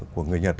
của người nhật